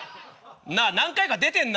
なあ何回か出てんな。